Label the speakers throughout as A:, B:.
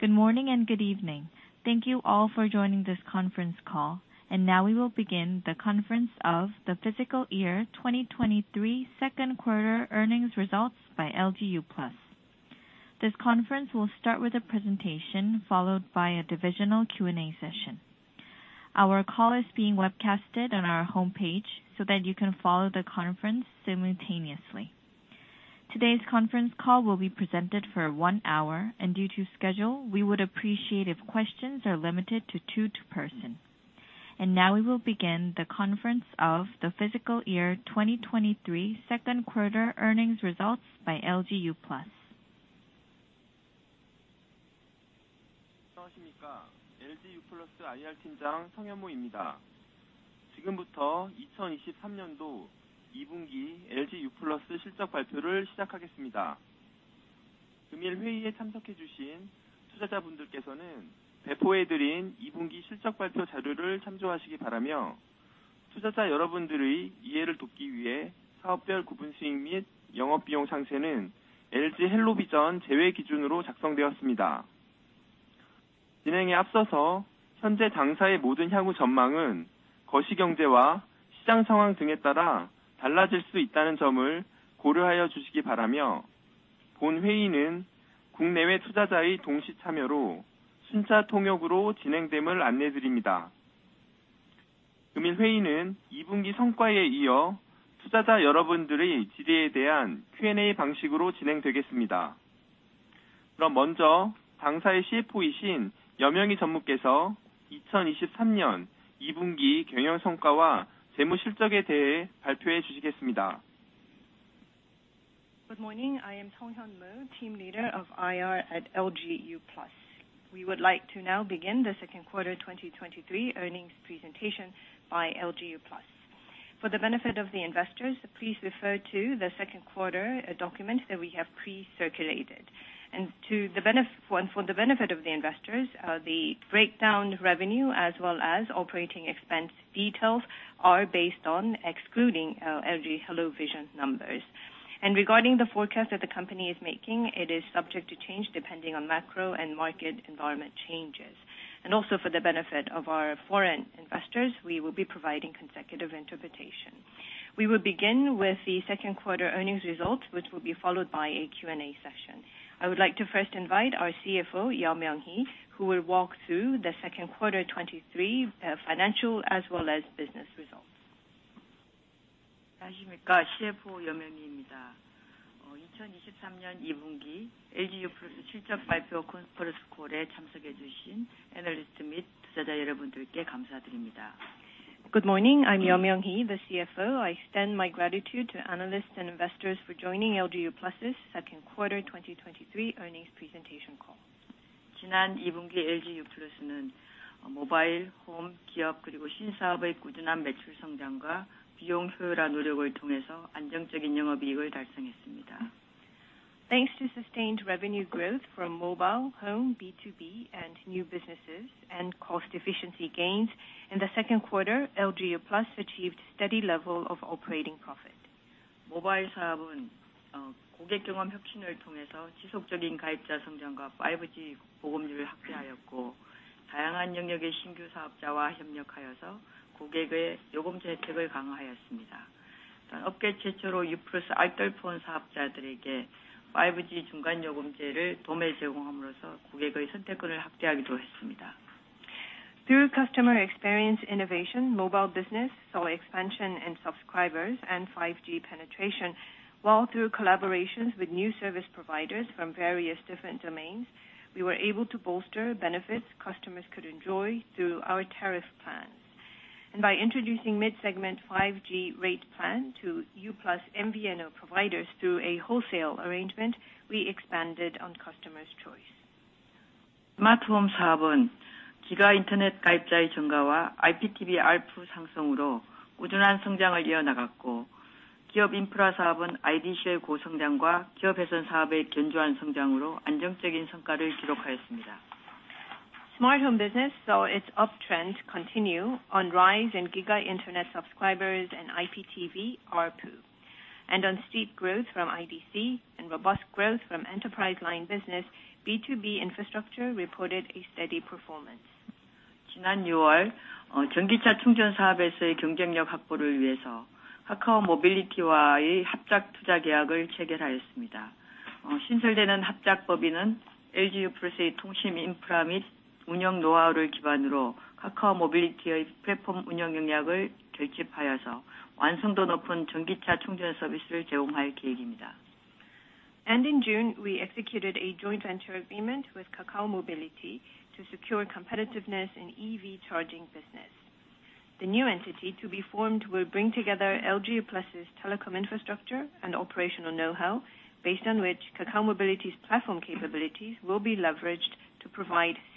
A: Good morning, and good evening. Thank you all for joining this conference call, and now we will begin the conference of the fiscal year 2023 second quarter earnings results by LG Uplus. This conference will start with a presentation followed by a divisional Q&A session. Our call is being webcasted on our homepage so that you can follow the conference simultaneously. Today's conference call will be presented for one hour, and due to schedule, we would appreciate if questions are limited to two to person. Now we will begin the conference of the fiscal year 2023 second quarter earnings results by LG Uplus.
B: Good morning, I am Song Hyun-mo, Team Leader of IR at LG Uplus. We would like to now begin the second quarter 2023 earnings presentation by LG Uplus. For the benefit of the investors, please refer to the second quarter, document that we have pre-circulated. For the benefit of the investors, the breakdown revenue as well as operating expense details are based on excluding, LG HelloVision numbers. Regarding the forecast that the company is making, it is subject to change depending on macro and market environment changes. Also for the benefit of our foreign investors, we will be providing consecutive interpretation. We will begin with the second quarter earnings results, which will be followed by a Q&A session. I would like to first invite our CFO, Yeo Myung-Hee, who will walk through the Q2 2023 financial as well as business results. Good morning, I am Yeo Myung-Hee, the CFO. I extend my gratitude to analysts and investors for joining LG Uplus' second quarter 2023 earnings presentation call. Thanks to sustained revenue growth from mobile, home, B2B, and new businesses and cost efficiency gains, in the second quarter, LG Uplus achieved steady level of operating profit. Through customer experience, innovation, mobile business, saw expansion in subscribers and 5G penetration, while through collaborations with new service providers from various different domains, we were able to bolster benefits customers could enjoy through our tariff plans. By introducing mid-segment 5G rate plan to Uplus MVNO providers through a wholesale arrangement, we expanded on customers' choice. Smart home business saw its uptrend continue on rise in Giga internet subscribers and IPTV ARPU, on steep growth from IDC and robust growth from enterprise line business, B2B infrastructure reported a steady performance. In June, we executed a joint venture agreement with Kakao Mobility to secure competitiveness in EV charging business. The new entity to be formed will bring together LG Uplus' telecom infrastructure and operational know-how, based on which Kakao Mobility's platform capabilities will be leveraged to provide scaled-up EV charging services.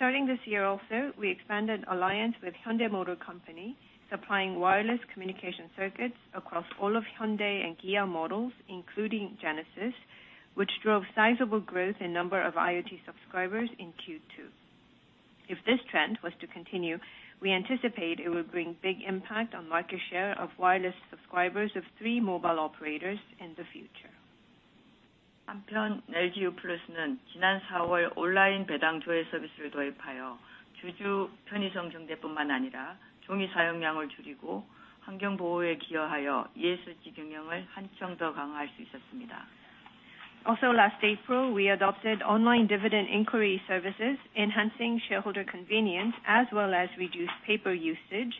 B: Starting this year also, we expanded alliance with Hyundai Motor Company, supplying wireless communication circuits across all of Hyundai and Kia models, including Genesis, which drove sizable growth in number of IoT subscribers in Q2. If this trend was to continue, we anticipate it will bring big impact on market share of wireless subscribers of three mobile operators in the future. Last April, we adopted online dividend inquiry services, enhancing shareholder convenience, as well as reduced paper usage,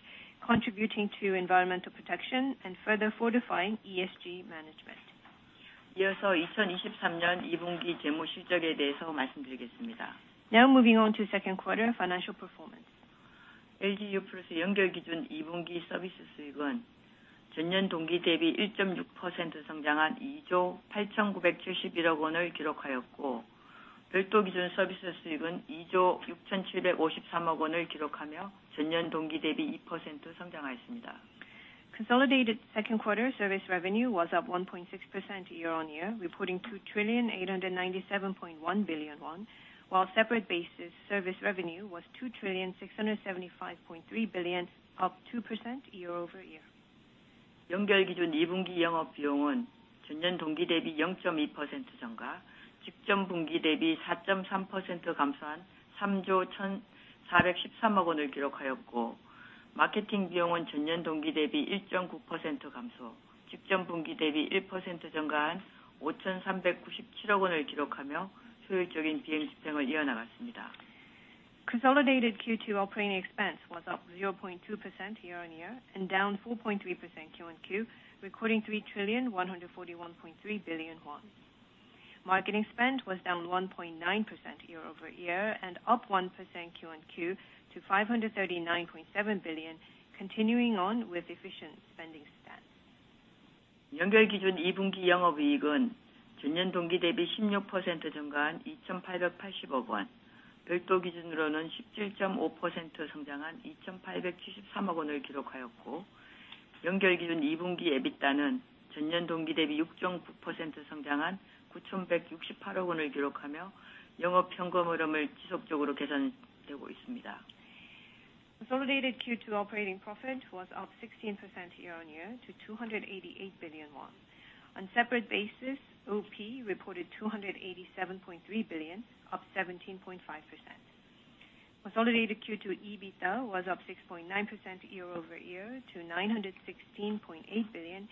B: contributing to environmental protection and further fortifying ESG management. Moving on to second quarter financial performance. Consolidated second quarter service revenue was up 1.6% year-on-year, reporting KRW 2,897.1 billion, while separate basis service revenue was KRW 2,675.3 billion, up 2% year-over-year. Consolidated Q2 operating expense was up 0.2% year-on-year and down 4.3% Q1Q, recording 3,141.3 billion won. Marketing spend was down 1.9% year-over-year, and up 1% Q1Q to 539.7 billion, continuing on with efficient spending stance. Consolidated Q2 operating profit was up 16% year-on-year to 288 billion won. On separate basis, OP reported 287.3 billion, up 17.5%. Consolidated Q2 EBITDA was up 6.9% year-over-year to 916.8 billion,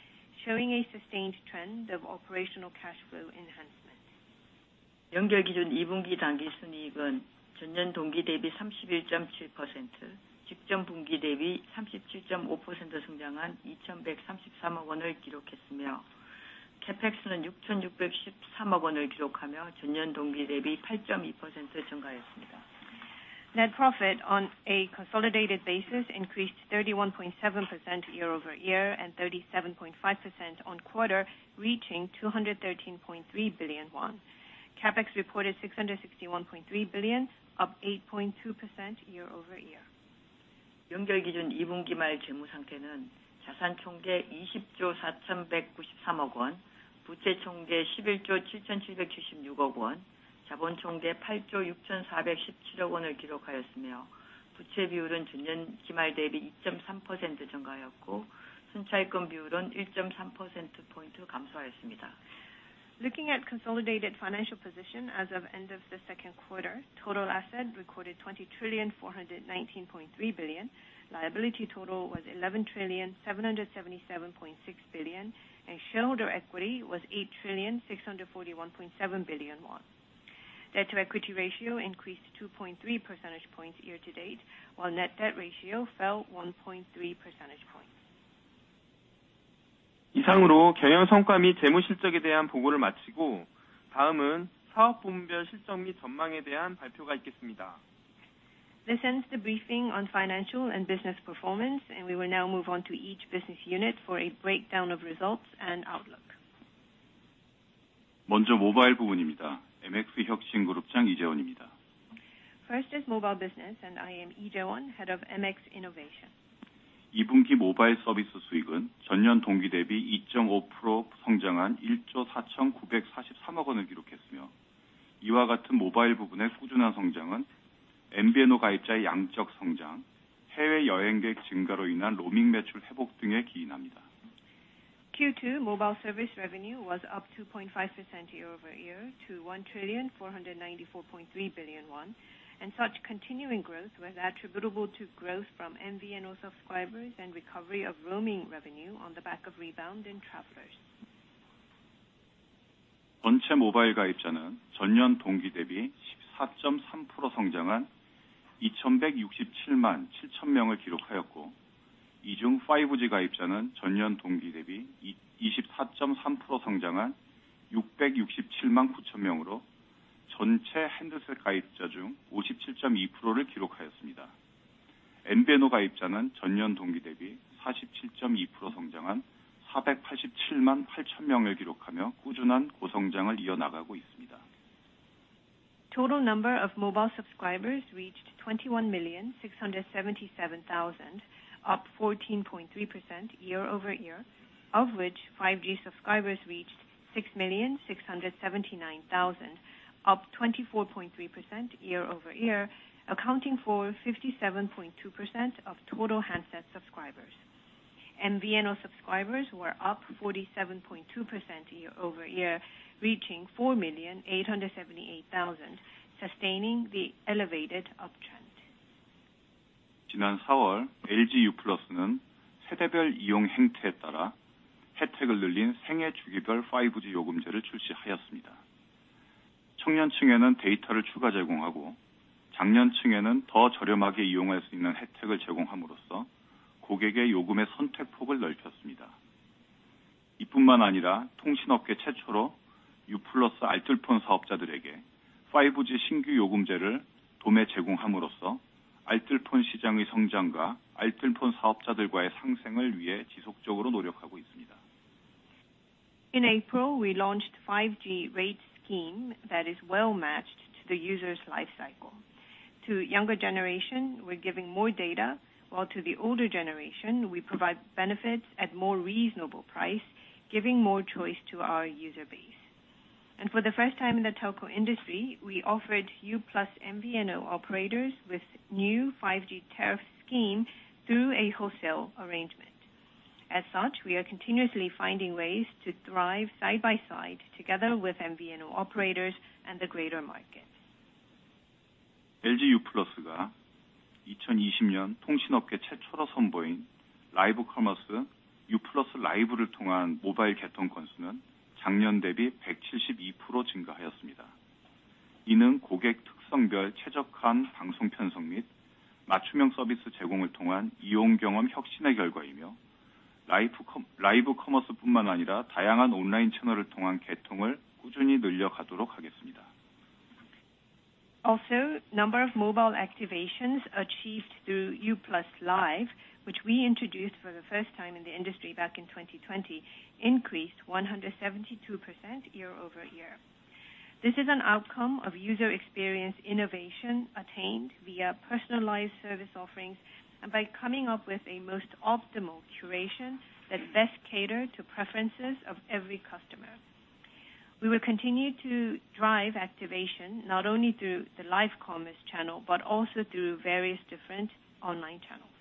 B: showing a sustained trend of operational cash flow enhancement. Net profit on a consolidated basis increased 31.7% year-over-year, and 37.5% on quarter, reaching 213.3 billion won. CapEx reported 661.3 billion, up 8.2% year-over-year. Looking at consolidated financial position as of end of the second quarter, total asset recorded 20,419.3 billion, liability total was 11,777.6 billion, and shareholder equity was 8,641.7 billion won. Debt to equity ratio increased 2.3 percentage points year-to-date, while net debt ratio fell 1.3 percentage points. This ends the briefing on financial and business performance. We will now move on to each business unit for a breakdown of results and outlook. First is mobile business, and I am Lee Jaewon, Head of MX Innovation. Q2 mobile service revenue was up 2.5% year-over-year to KRW 1,494.3 billion, and such continuing growth was attributable to growth from MVNO subscribers and recovery of roaming revenue on the back of rebound in travelers.
C: On mobile, 4.3% year-over-year to KRW 2.167 billion.... 전체 handset 가입자 중 57.2%를 기록하였습니다. MVNO 가입자는 전년 동기 대비 47.2% 성장한 4,878,000 명을 기록하며 꾸준한 고성장을 이어나가고 있습니다.
B: Total number of mobile subscribers reached 21,677,000, up 14.3% year-over-year, of which 5G subscribers reached 6,679,000, up 24.3% year-over-year, accounting for 57.2% of total handset subscribers. MVNO subscribers were up 47.2% year-over-year, reaching 4,878,000, sustaining the elevated uptrend.
C: 지난 사월, LG U+는 세대별 이용 행태에 따라 혜택을 늘린 생애 주기별 5G 요금제를 출시하였습니다. 청년층에는 데이터를 추가 제공하고, 장년층에는 더 저렴하게 이용할 수 있는 혜택을 제공함으로써 고객의 요금의 선택 폭을 넓혔습니다. 이뿐만 아니라, 통신 업계 최초로 U+ 알뜰폰 사업자들에게 5G 신규 요금제를 도매 제공함으로써 알뜰폰 시장의 성장과 알뜰폰 사업자들과의 상생을 위해 지속적으로 노력하고 있습니다.
B: In April, we launched 5G rate scheme that is well matched to the user's life cycle. To younger generation, we're giving more data, while to the older generation, we provide benefits at more reasonable price, giving more choice to our user base. For the first time in the telco industry, we offered U+ MVNO operators with new in 5G tariff scheme through a wholesale arrangement. As such, we are continuously finding ways to thrive side by side together with MVNO operators and the greater market.
C: LG Uplus가 2020년 통신 업계 최초로 선보인 live commerce U+ Live를 통한 모바일 개통 건수는 작년 대비 172% 증가하였습니다. 이는 고객 특성별 최적화한 방송 편성 및 맞춤형 서비스 제공을 통한 이용 경험 혁신의 결과이며, live commerce뿐만 아니라 다양한 온라인 채널을 통한 개통을 꾸준히 늘려가도록 하겠습니다.
B: Also, number of mobile activations achieved through U+ Live, which we introduced for the first time in the industry back in 2020, increased 172% year-over-year. This is an outcome of user experience innovation attained via personalized service offerings and by coming up with a most optimal curation that best cater to preferences of every customer. We will continue to drive activation not only through the live commerce channel, but also through various different online channels.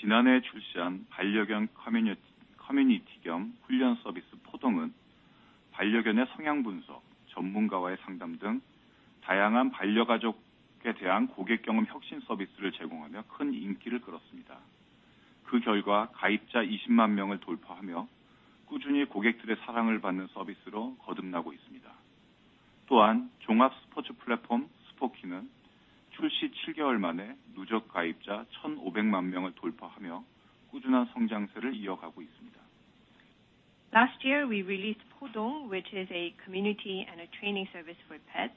C: 지난해 출시한 반려견 커뮤니티, 커뮤니티 겸 훈련 서비스, 포동은 반려견의 성향 분석, 전문가와의 상담 등 다양한 반려 가족에 대한 고객 경험 혁신 서비스를 제공하며 큰 인기를 끌었습니다. 그 결과, 가입자 200,000명을 돌파하며 꾸준히 고객들의 사랑을 받는 서비스로 거듭나고 있습니다. 또한, 종합 스포츠 플랫폼, 스포키는 출시 7개월 만에 누적 가입자 15,000,000명을 돌파하며 꾸준한 성장세를 이어가고 있습니다.
B: Last year, we released Podong, which is a community and a training service for pets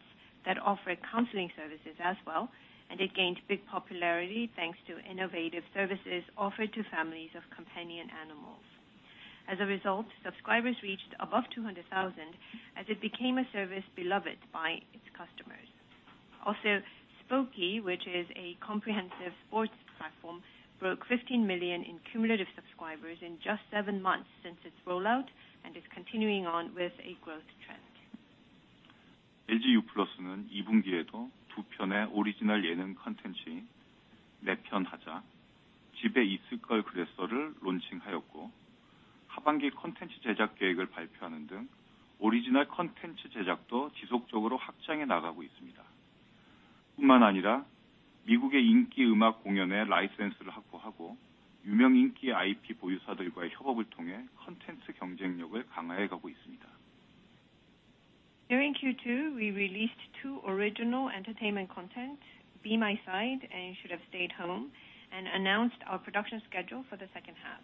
B: that offer counseling services as well, and it gained big popularity thanks to innovative services offered to families of companion animals. As a result, subscribers reached above 200,000, as it became a service beloved by its customers. Also, Spoki, which is a comprehensive sports platform, broke 15 million in cumulative subscribers in just 7 months since its rollout and is continuing on with a growth trend.
C: LG U+는 이 분기에도 2 편의 오리지널 예능 콘텐츠, 내편 하자, 집에 있을 걸 그랬어를 론칭하였고, 하반기 콘텐츠 제작 계획을 발표하는 등 오리지널 콘텐츠 제작도 지속적으로 확장해 나가고 있습니다. 뿐만 아니라, 미국의 인기 음악 공연의 라이센스를 확보하고, 유명 인기 IP 보유사들과의 협업을 통해 콘텐츠 경쟁력을 강화해 가고 있습니다. During Q2, we released two original entertainment content, Be My Side and You Should Have Stayed Home, and announced our production schedule for the second half.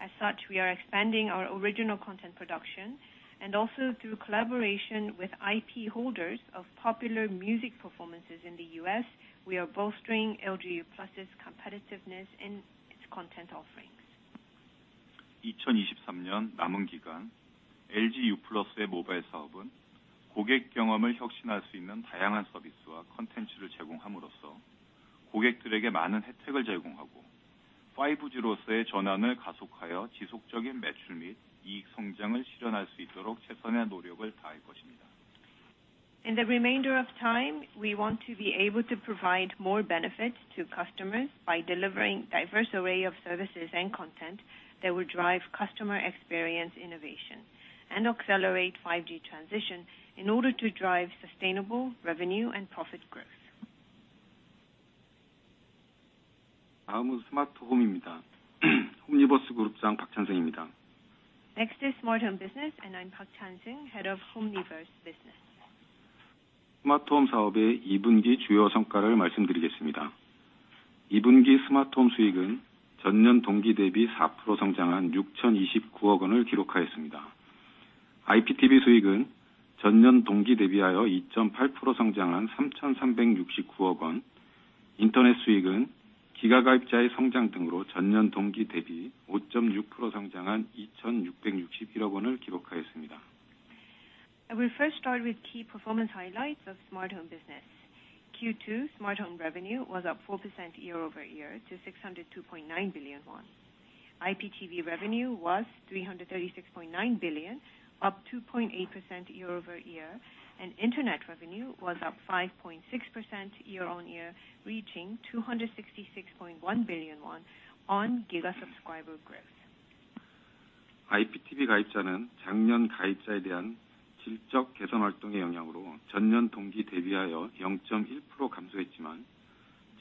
C: As such, we are expanding our original content production and also through collaboration with IP holders of popular music performances in the U.S., we are bolstering LG Uplus' competitiveness in its content offerings. 이천이십삼년 남은 기간 LG U+의 모바일 사업은 고객 경험을 혁신할 수 있는 다양한 서비스와 콘텐츠를 제공함으로써, 고객들에게 많은 혜택을 제공하고, 5G로서의 전환을 가속하여 지속적인 매출 및 이익 성장을 실현할 수 있도록 최선의 노력을 다할 것입니다.
B: In the remainder of time, we want to be able to provide more benefits to customers by delivering diverse array of services and content that will drive customer experience, innovation, and accelerate 5G transition in order to drive sustainable revenue and profit growth.
D: 다음은 스마트홈입니다. 홈니버스 그룹장 박찬승입니다.
B: Next is Smart Home Business, and I'm Park Chanseung, Head of Homenivers Business.
D: ...Smart Home 사업의 이 분기 주요 성과를 말씀드리겠습니다. 이 분기 Smart Home 수익은 전년 동기 대비 4% 성장한 602.9 billion을 기록하였습니다. IPTV 수익은 전년 동기 대비하여 2.8% 성장한 336.9 billion, 인터넷 수익은 기가 가입자의 성장 등으로 전년 동기 대비 5.6% 성장한 266.1 billion을 기록하였습니다.
B: I will first start with key performance highlights of Smart Home business. Q2, Smart Home revenue was up 4% year-over-year to 602.9 billion won. IPTV revenue was 336.9 billion, up 2.8% year-over-year, and internet revenue was up 5.6% year-on-year, reaching 266.1 billion won on giga subscriber growth.
D: IPTV 가입자는 작년 가입자에 대한 질적 개선 활동의 영향으로 전년 동기 대비하여 0.1% 감소했지만,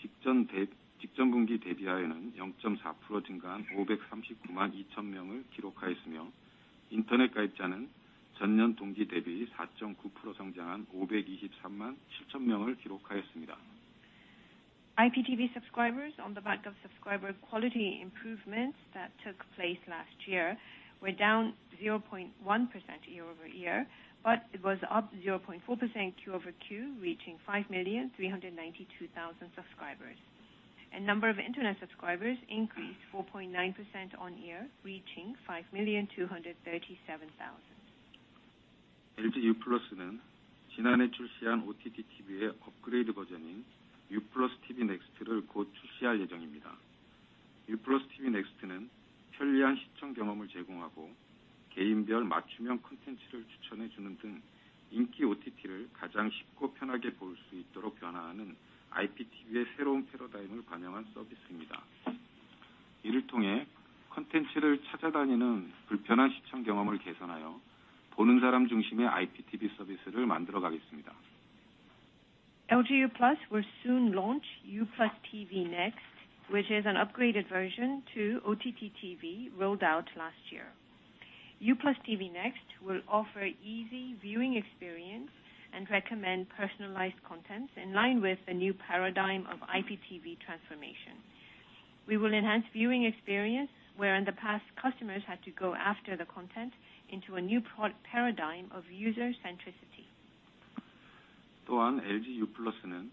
D: 직전 분기 대비하여는 0.4% 증가한 5,392,000 명을 기록하였으며, 인터넷 가입자는 전년 동기 대비 4.9% 성장한 5,237,000 명을 기록하였습니다.
B: IPTV subscribers on the back of subscriber quality improvements that took place last year were down 0.1% year-over-year, it was up 0.4% Q-over-Q, reaching 5,392,000 subscribers. Number of internet subscribers increased 4.9% on year, reaching 5,237,000.
D: LG U+는 지난해 출시한 OTT TV의 업그레이드 버전인 U+ TV Next를 곧 출시할 예정입니다. U+ TV Next는 편리한 시청 경험을 제공하고, 개인별 맞춤형 콘텐츠를 추천해 주는 등 인기 OTT를 가장 쉽고 편하게 볼수 있도록 변화하는 IPTV의 새로운 패러다임을 반영한 서비스입니다. 이를 통해 콘텐츠를 찾아다니는 불편한 시청 경험을 개선하여 보는 사람 중심의 IPTV 서비스를 만들어 가겠습니다.
B: LG U+ will soon launch U+ TV Next, which is an upgraded version to OTT TV, rolled out last year. U+ TV Next will offer easy viewing experience and recommend personalized content in line with the new paradigm of IPTV transformation. We will enhance viewing experience, where in the past, customers had to go after the content into a new paradigm of user centricity.
D: LG U+는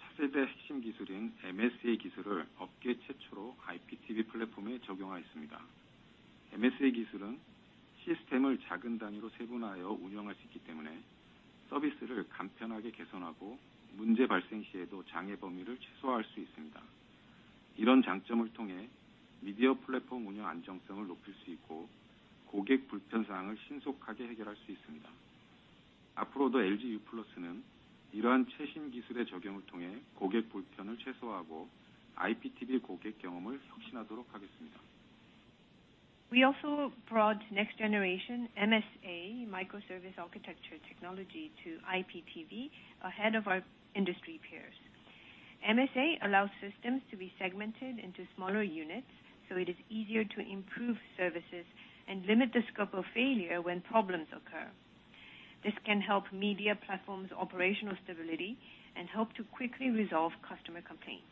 D: 차세대 핵심 기술인 MSA 기술을 업계 최초로 IPTV 플랫폼에 적용하였습니다. MSA 기술은 시스템을 작은 단위로 세분화하여 운영할 수 있기 때문에 서비스를 간편하게 개선하고, 문제 발생시에도 장애 범위를 최소화할 수 있습니다. 이런 장점을 통해 미디어 플랫폼 운영 안정성을 높일 수 있고, 고객 불편 사항을 신속하게 해결할 수 있습니다. 앞으로도 LG U+는 이러한 최신 기술의 적용을 통해 고객 불편을 최소화하고, IPTV 고객 경험을 혁신하도록 하겠습니다.
B: We also brought next generation MSA, micro service architecture technology, to IPTV ahead of our industry peers. MSA allows systems to be segmented into smaller units, so it is easier to improve services and limit the scope of failure when problems occur. This can help media platforms' operational stability and help to quickly resolve customer complaints.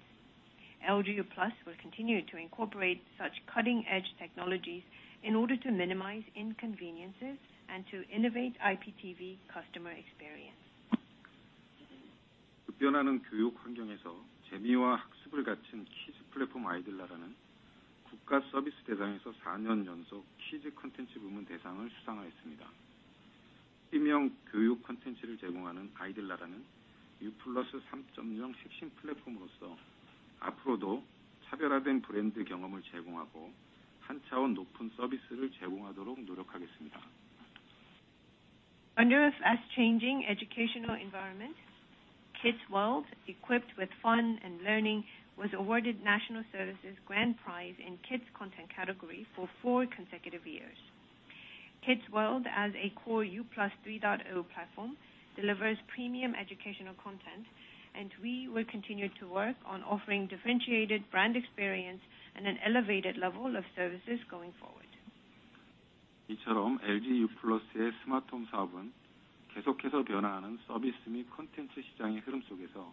B: LG U+ will continue to incorporate such cutting-edge technologies in order to minimize inconveniences and to innovate IPTV customer experience.
D: 급변하는 교육 환경에서 재미와 학습을 갖춘 키즈 플랫폼, 아이들나라 는 국가 서비스 대상에서 4년 연속 키즈 콘텐츠 부문 대상을 수상하였습니다. 프리미엄 교육 콘텐츠를 제공하는 아이들나라는 U+ 3.0 핵심 플랫폼으로서 앞으로도 차별화된 브랜드 경험을 제공하고, 한 차원 높은 서비스를 제공하도록 노력하겠습니다.
B: Under a fast changing educational environment, Kids World, equipped with fun and learning, was awarded National Services Grand Prize in Kids Content category for four consecutive years. Kids World, as a core U+ 3.0 platform, delivers premium educational content, and we will continue to work on offering differentiated brand experience and an elevated level of services going forward.
D: 이처럼 LG U+의 Smart Home 사업은 계속해서 변화하는 서비스 및 콘텐츠 시장의 흐름 속에서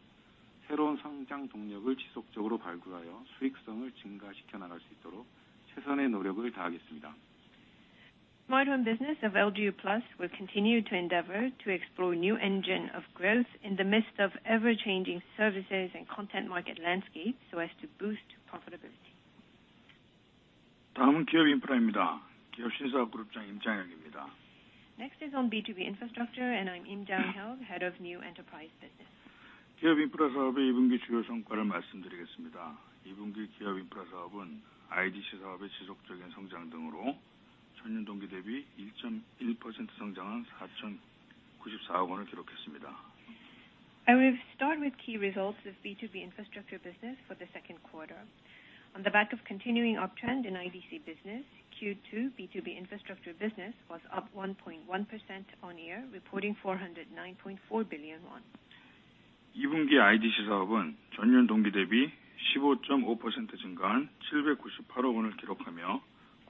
D: 새로운 성장 동력을 지속적으로 발굴하여 수익성을 증가시켜 나갈 수 있도록 최선의 노력을 다하겠습니다.
B: Smart Home business of LG U+ will continue to endeavor to explore new engine of growth in the midst of ever-changing services and content market landscape, so as to boost profitability.
E: 다음은 기업 인프라입니다. 기업 신사업 그룹장 임장영입니다.
B: Next is on B2B Infrastructure, I'm Im Jang-hyuk, Head of New Enterprise Business.
E: 기업 인프라 사업의 이 분기 주요 성과를 말씀드리겠습니다. 이 분기 기업 인프라 사업은 IDC 사업의 지속적인 성장 등으로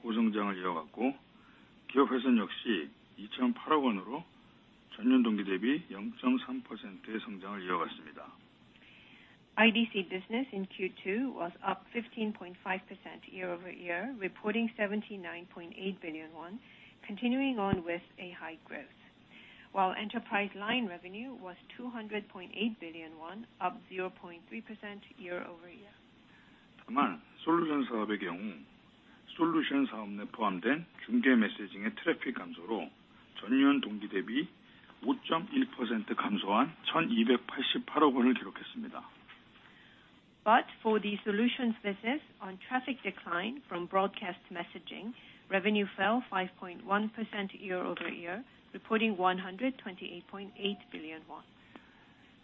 E: 전년 동기 대비 일점일퍼센트 성장한 사천구십사억원을 기록했습니다.
B: I will start with key results of B2B infrastructure business for the second quarter. On the back of continuing uptrend in IBC business, Q2 B2B infrastructure business was up 1.1% on year, reporting KRW 409.4 billion....
E: 2분기 IDC 사업은 year-over-year 15.5% 증가한 KRW 79.8 billion을 기록하며 고성장을 이어갔고, 기업 회선 역시 KRW 20.8 billion으로 year-over-year 0.3%의 성장을 이어갔습니다.
B: IDC business in Q2 was up 15.5% year-over-year, reporting 79.8 billion won, continuing on with a high growth. While enterprise line revenue was 200.8 billion won, up 0.3% year-over-year.
E: 다만 솔루션 사업의 경우, 솔루션 사업 내 포함된 중계 메시징의 트래픽 감소로 전년 동기 대비 오점일 퍼센트 감소한 천이백팔십팔억 원을 기록했습니다.
B: For the solutions business, on traffic decline from broadcast messaging, revenue fell 5.1% year-over-year, reporting KRW 128.8 billion.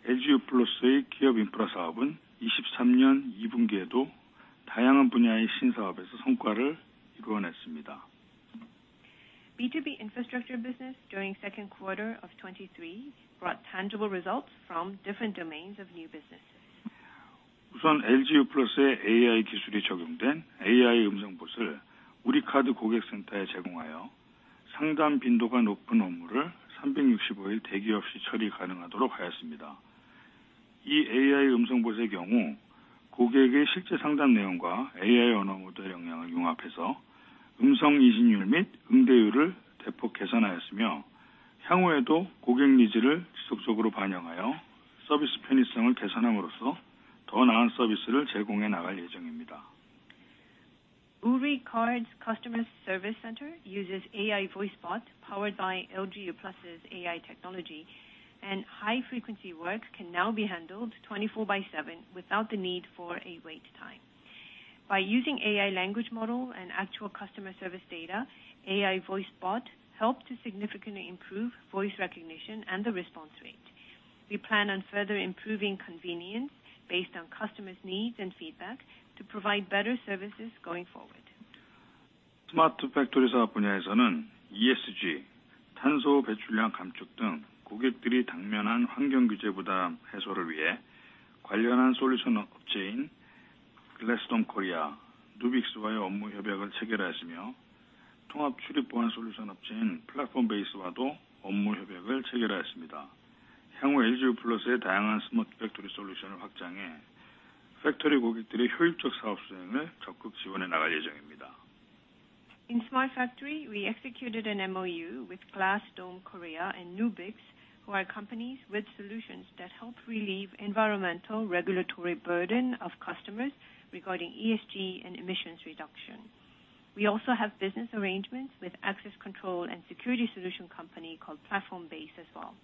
E: LG유플러스의 기업 인프라 사업은 이십삼년 이분기에도 다양한 분야의 신사업에서 성과를 이루어냈습니다.
B: B2B infrastructure business during second quarter of 2023 brought tangible results from different domains of new businesses.
E: 우선 LG유플러스의 AI 기술이 적용된 AI 음성봇을 우리카드 고객센터에 제공하여 상담 빈도가 높은 업무를 삼백육십오일 대기 없이 처리 가능하도록 하였습니다. 이 AI 음성봇의 경우, 고객의 실제 상담 내용과 AI 언어 모델의 역량을 융합해서 음성 인식률 및 응대율을 대폭 개선하였으며, 향후에도 고객 니즈를 지속적으로 반영하여 서비스 편의성을 개선함으로써 더 나은 서비스를 제공해 나갈 예정입니다.
B: Uri Card's customer service center uses AI voice bot, powered by LG Uplus's AI technology, and high frequency work can now be handled 24/7 without the need for a wait time. By using AI language model and actual customer service data, AI voice bot helped to significantly improve voice recognition and the response rate. We plan on further improving convenience based on customers' needs and feedback to provide better services going forward.
E: 스마트 팩토리 사업 분야에서는 ESG, 탄소 배출량 감축 등 고객들이 당면한 환경 규제 부담 해소를 위해 관련한 솔루션 업체인 Glassstone Korea, Nubix와의 업무 협약을 체결하였으며, 통합 출입 보안 솔루션 업체인 Platform Base와도 업무 협약을 체결하였습니다. 향후 LG유플러스의 다양한 스마트 팩토리 솔루션을 확장해 팩토리 고객들의 효율적 사업 수행을 적극 지원해 나갈 예정입니다.
B: In Smart Factory, we executed an MOU with Glass Dome Korea and Nubix, who are companies with solutions that help relieve environmental regulatory burden of customers regarding ESG and emissions reduction. We also have business arrangements with access control and security solution company called Platform Base as well.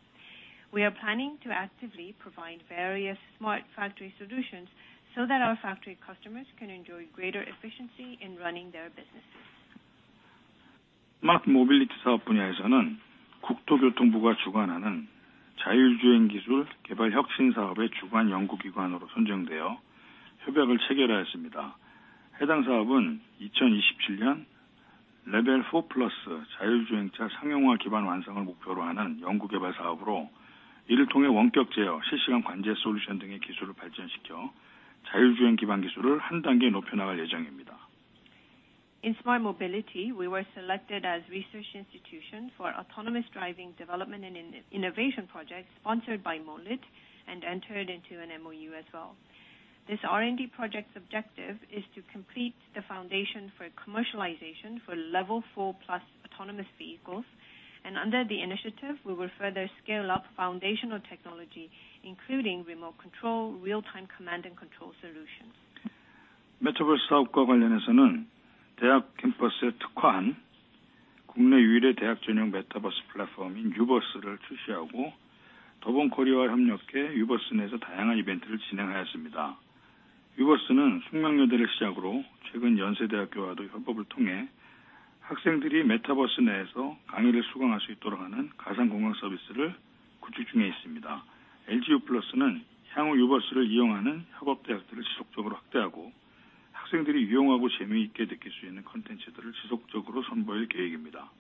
B: We are planning to actively provide various smart factory solutions so that our factory customers can enjoy greater efficiency in running their businesses.
E: Smart Mobility 사업 분야에서는 국토교통부가 주관하는 자율주행 기술 개발 혁신사업의 주관 연구기관으로 선정되어 협약을 체결하였습니다. 해당 사업은 2027 Level 4 Plus 자율주행차 상용화 기반 완성을 목표로 하는 연구개발 사업으로, 이를 통해 원격 제어, 실시간 관제 솔루션 등의 기술을 발전시켜 자율주행 기반 기술을 한 단계 높여 나갈 예정입니다.
B: In Smart Mobility, we were selected as research institution for autonomous driving development and innovation projects sponsored by Molyt and entered into an MOU as well. This R&D project's objective is to complete the foundation for commercialization for Level Four Plus autonomous vehicles, and under the initiative, we will further scale up foundational technology, including remote control, real-time command and control solutions.
E: 메타버스 사업과 관련해서는 대학 캠퍼스에 특화한 국내 유일의 대학 전용 메타버스 플랫폼인 유버스를 출시하고, 더본코리아와 협력해 유버스 내에서 다양한 이벤트를 진행하였습니다. 유버스는 숙명여대를 시작으로 최근 연세대학교와도 협업을 통해 학생들이 메타버스 내에서 강의를 수강할 수 있도록 하는 가상공간 서비스를 구축 중에 있습니다. LG유플러스는 향후 유버스를 이용하는 협업 대학들을 지속적으로 확대하고, 학생들이 유용하고 재미있게 느낄 수 있는 콘텐츠들을 지속적으로 선보일 계획입니다.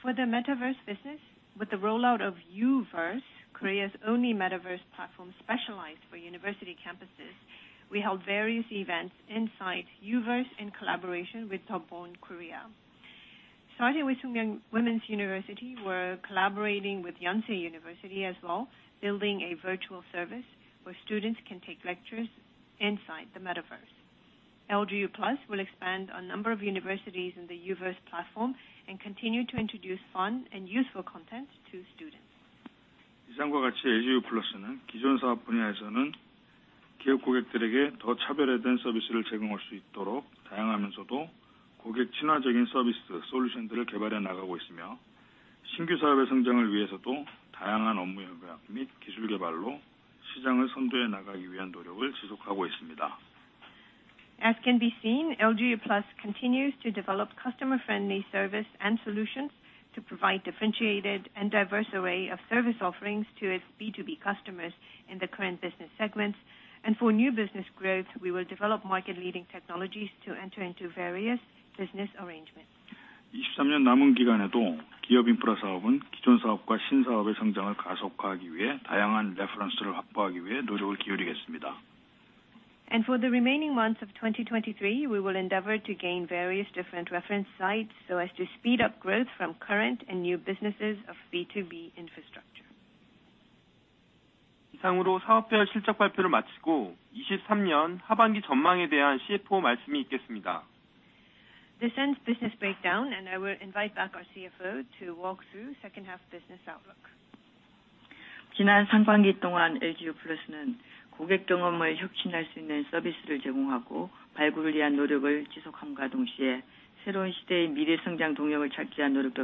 B: For the Metaverse business, with the rollout of Uverse, Korea's only metaverse platform specialized for university campuses, we held various events inside Uverse in collaboration with Theborn Korea. Starting with Sookmyung Women's University, we're collaborating with Yonsei University as well, building a virtual service where students can take lectures inside the metaverse. LG Uplus will expand a number of universities in the Uverse platform and continue to introduce fun and useful content to students.
E: 이상과 같이 LG유플러스는 기존 사업 분야에서는 기업 고객들에게 더 차별화된 서비스를 제공할 수 있도록 다양하면서도 고객 친화적인 서비스 솔루션들을 개발해 나가고 있으며, 신규 사업의 성장을 위해서도 다양한 업무 협약 및 기술 개발로 시장을 선도해 나가기 위한 노력을 지속하고 있습니다.
B: As can be seen, LG Uplus continues to develop customer-friendly service and solutions to provide differentiated and diverse array of service offerings to its B2B customers in the current business segments. For new business growth, we will develop market-leading technologies to enter into various business arrangements. For the remaining months of 2023, we will endeavor to gain various different reference sites so as to speed up growth from current and new businesses of B2B infrastructure.
A: This ends business breakdown, and I will invite back our CFO to walk through second half business outlook.
B: During the first half, LG Uplus continued to endeavor to explore and provide services that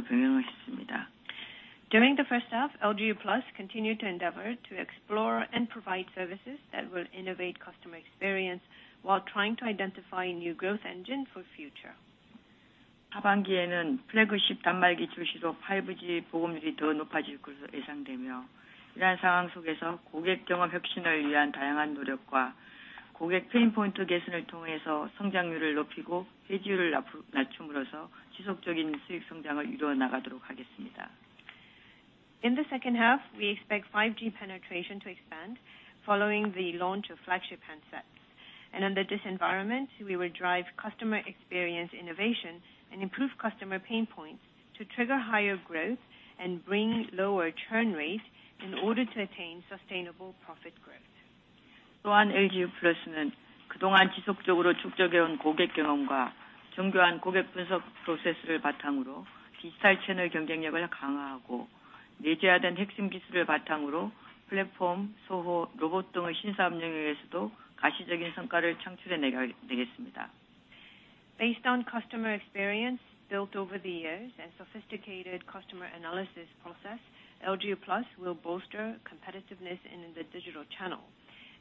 B: will innovate customer experience while trying to identify new growth engine for future. In the second half, we expect 5G penetration to expand, following the launch of flagship handsets, and under this environment, we will drive customer experience, innovation and improve customer pain points to trigger higher growth and bring lower churn rates in order to attain sustainable profit growth. Based on customer experience built over the years and sophisticated customer analysis process, LG Uplus will bolster competitiveness in the digital channel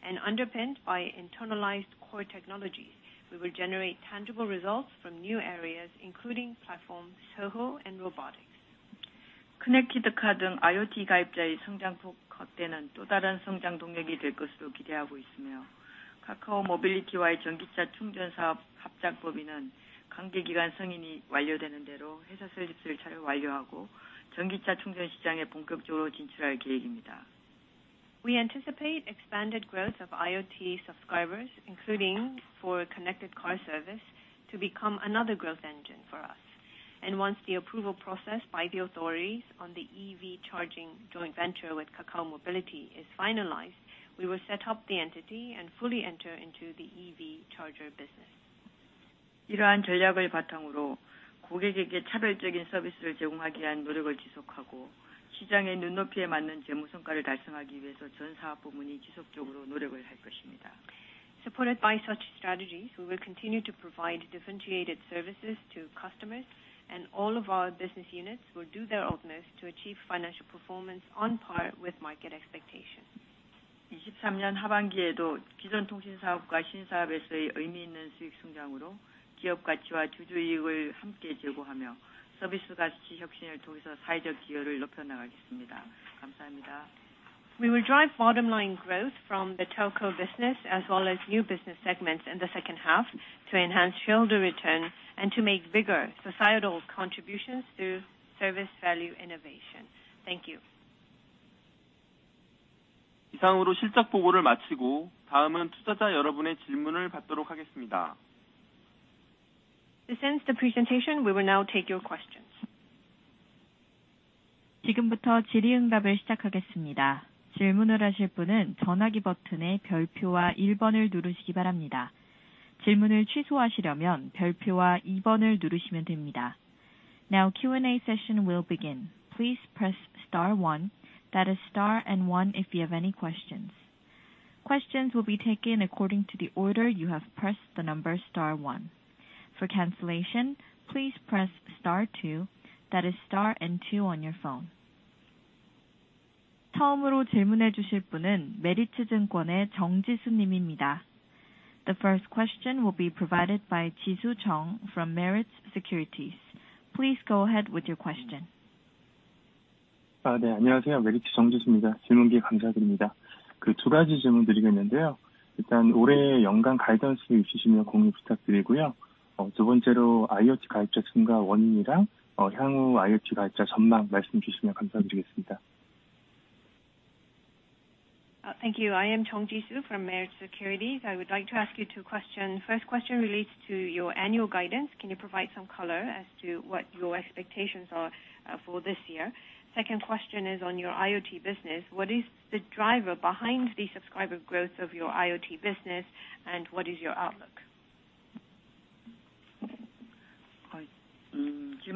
B: and underpinned by internalized core technologies, we will generate tangible results from new areas, including platforms, SOHO and robotics. We anticipate expanded growth of IoT subscribers, including for connected car service, to become another growth engine for us. Once the approval process by the authorities on the EV charging joint venture with Kakao Mobility is finalized, we will set up the entity and fully enter into the EV charger business. Supported by such strategies, we will continue to provide differentiated services to customers, and all of our business units will do their utmost to achieve financial performance on par with market expectations. We will drive bottom line growth from the telco business as well as new business segments in the second half to enhance shareholder return and to make bigger societal contributions through service value innovation. Thank you.
A: This ends the presentation. We will now take your questions. Now Q&A session will begin. Please press star one. That is star and one if you have any questions. Questions will be taken according to the order you have pressed the number star one. For cancellation, please press star two. That is star and two on your phone. The first question will be provided by Jisu Chung from Merit Securities. Please go ahead with your question.
F: Thank you. I am Chung Jisu from Merit Securities. I would like to ask you 2 question. First question relates to your annual guidance. Can you provide some color as to what your expectations are for this year? Second question is on your IoT business. What is the driver behind the subscriber growth of your IoT business, and what is your outlook?
B: Thank you.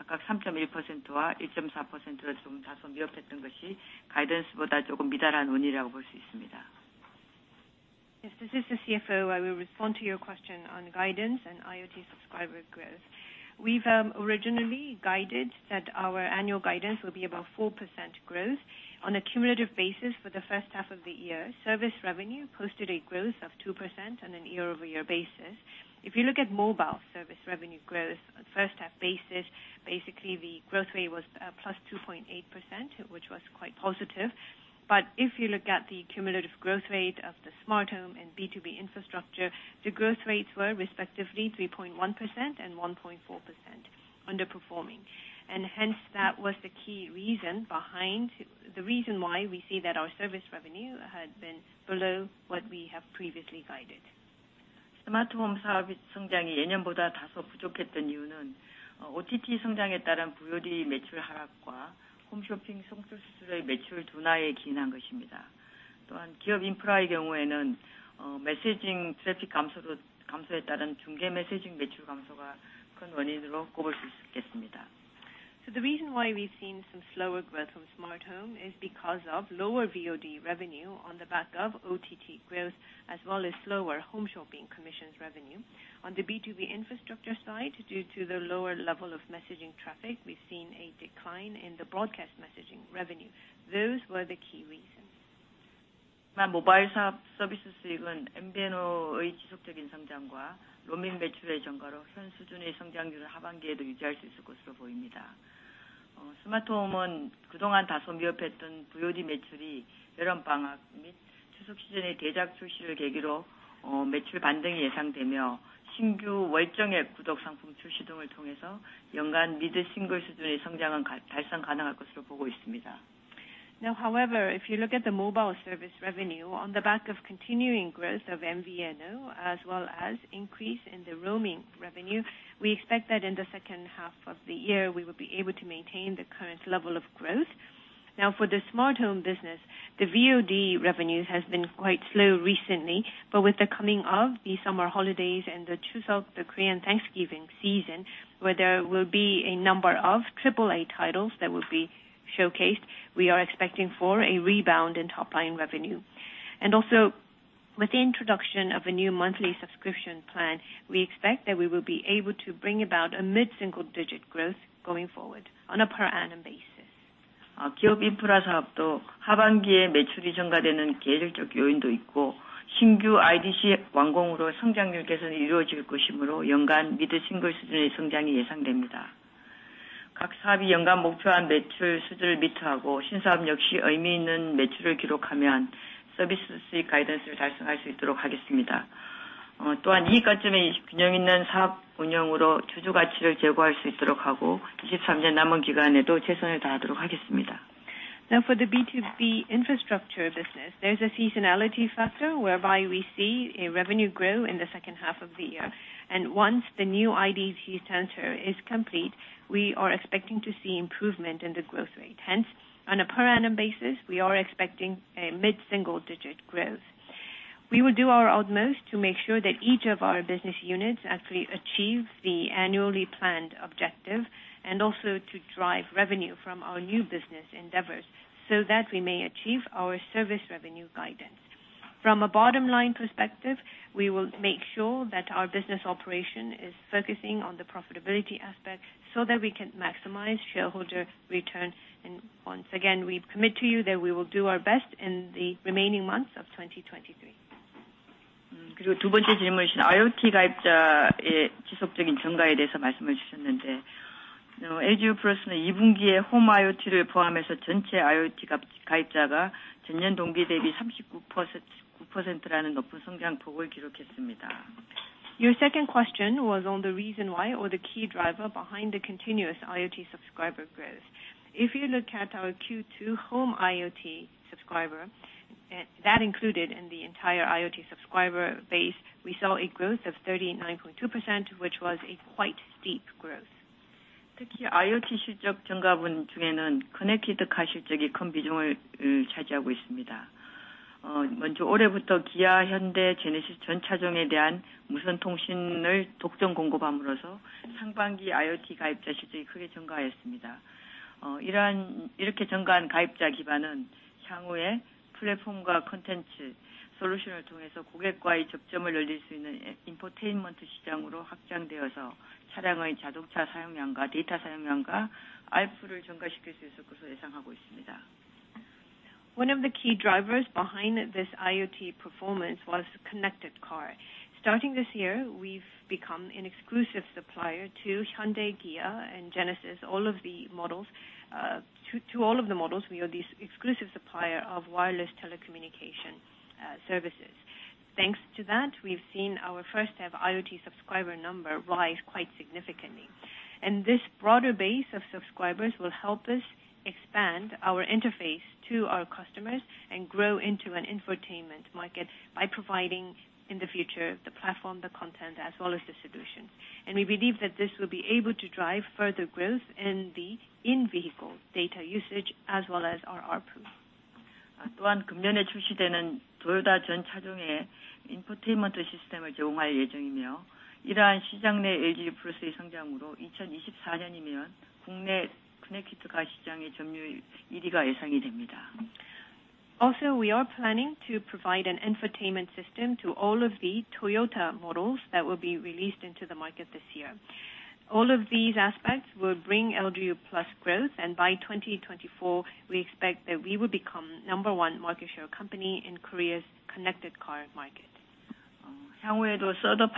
B: Yes, this is the CFO, I will respond to your question on guidance and IoT subscriber growth. We've originally guided that our annual guidance will be about 4% growth on a cumulative basis for the first half of the year. Service revenue posted a growth of 2% on a year-over-year basis. If you look at mobile service revenue growth on first half basis, basically, the growth rate was +2.8%, which was quite positive. If you look at the cumulative growth rate of the smart home and B2B infrastructure, the growth rates were respectively 3.1% and 1.4% underperforming. Hence, that was the key reason behind, the reason why we see that our service revenue had been below what we have previously guided. The reason why we've seen some slower growth from smart home is because of lower VOD revenue on the back of OTT growth, as well as slower home shopping commissions revenue. On the B2B infrastructure side, due to the lower level of messaging traffic, we've seen a decline in the broadcast messaging revenue. Those were the key reasons. Now, however, if you look at the mobile service revenue on the back of continuing growth of MVNO, as well as increase in the roaming revenue, we expect that in the 2nd half of the year, we will be able to maintain the current level of growth. Now, for the smart home business, the VOD revenue has been quite slow recently, but with the coming of the summer holidays and the Chuseok, the Korean Thanksgiving season, where there will be a number of triple A titles that will be showcased, we are expecting for a rebound in top-line revenue. Also, with the introduction of a new monthly subscription plan, we expect that we will be able to bring about a mid-single-digit growth going forward on a per annum basis. Now, for the B2B infrastructure business, there's a seasonality factor whereby we see a revenue grow in the second half of the year. Once the new IDC center is complete, we are expecting to see improvement in the growth rate. On a per annum basis, we are expecting a mid-single-digit growth. We will do our utmost to make sure that each of our business units actually achieve the annually planned objective, and also to drive revenue from our new business endeavors, so that we may achieve our service revenue guidance. From a bottom line perspective, we will make sure that our business operation is focusing on the profitability aspect, so that we can maximize shareholder return. Once again, we commit to you that we will do our best in the remaining months of 2023. Your second question was on the reason why or the key driver behind the continuous IoT subscriber growth. If you look at our Q2 home IoT subscriber, that included in the entire IoT subscriber base, we saw a growth of 39.2%, which was a quite steep growth. One of the key drivers behind this IoT performance was connected car. Starting this year, we've become an exclusive supplier to Hyundai, Kia and Genesis. All of the models, to all of the models, we are the exclusive supplier of wireless telecommunication services. Thanks to that, we've seen our first half IoT subscriber number rise quite significantly. This broader base of subscribers will help us expand our interface to our customers and grow into an infotainment market by providing, in the future, the platform, the content, as well as the solution. We believe that this will be able to drive further growth in the in-vehicle data usage as well as our ARPU. Also, we are planning to provide an infotainment system to all of the Toyota models that will be released into the market this year. All of these aspects will bring LG Uplus growth, and by 2024, we expect that we will become number 1 market share company in Korea's connected car market. Going forward,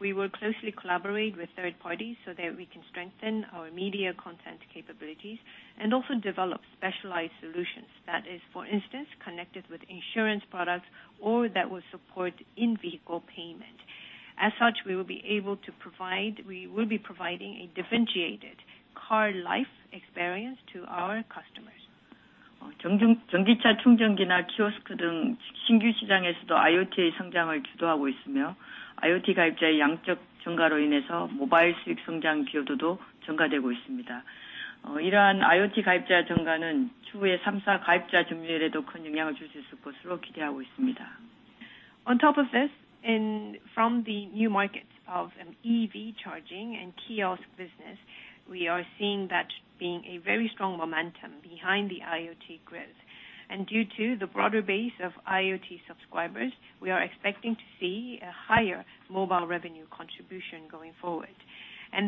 B: we will closely collaborate with third parties so that we can strengthen our media content capabilities and also develop specialized solutions, that is, for instance, connected with insurance products or that will support in-vehicle payment. As such, we will be able to provide, we will be providing a differentiated car life experience to our customers. On top of this, and from the new markets of EV charging and kiosk business, we are seeing that being a very strong momentum behind the IoT growth. Due to the broader base of IoT subscribers, we are expecting to see a higher mobile revenue contribution going forward.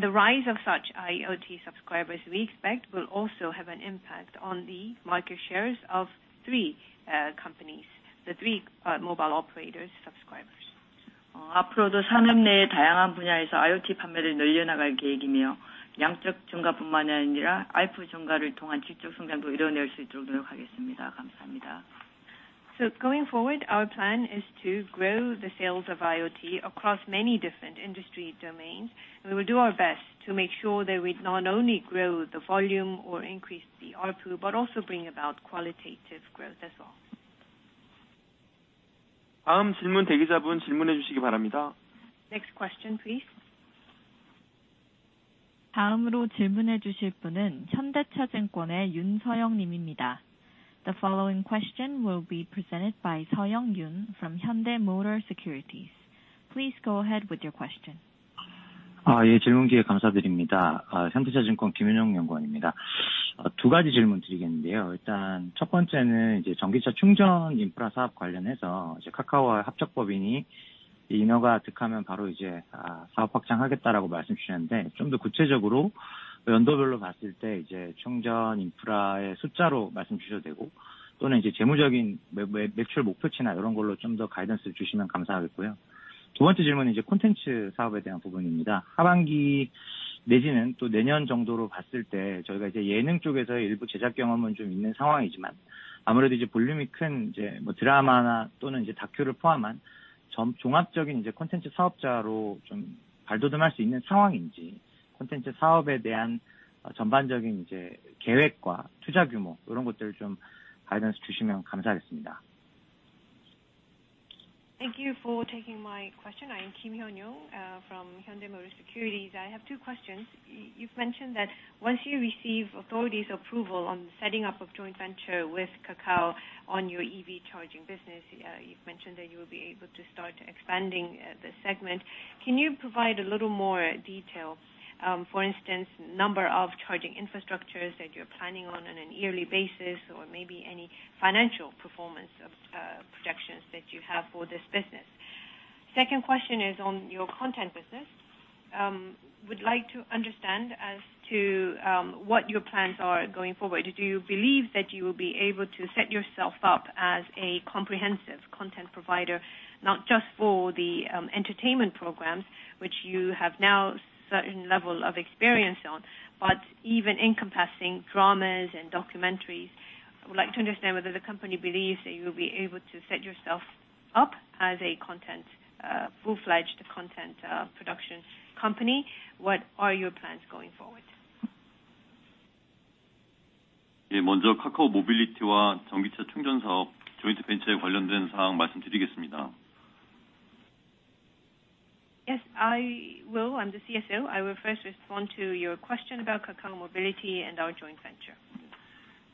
B: The rise of such IoT subscribers, we expect, will also have an impact on the market shares of three companies, the three mobile operators subscribers. Going forward, our plan is to grow the sales of IoT across many different industry domains, and we will do our best to make sure that we not only grow the volume or increase the ARPU, but also bring about qualitative growth as well. Next question, please.
A: The following question will be presented by Seoyoung Yoon from Hyundai Motor Securities. Please go ahead with your question.
B: Yeah,..., from Hyundai Motor Securities. I have 2 questions. You've mentioned that once you receive authority's approval on setting up a joint venture with Kakao on your EV charging business, you've mentioned that you will be able to start expanding the segment. Can you provide a little more detail, for instance, number of charging infrastructures that you're planning on, on an yearly basis, or maybe any financial performance of projections that you have for this business? Second question is on your content business. Would like to understand as to what your plans are going forward. Do you believe that you will be able to set yourself up as a comprehensive content provider, not just for the entertainment programs, which you have now certain level of experience on, but even encompassing dramas and documentaries? I would like to understand whether the company believes that you'll be able to set yourself up as a content, full-fledged content, production company. What are your plans going forward? Yes, I will. I'm the CSO. I will first respond to your question about Kakao Mobility and our joint venture.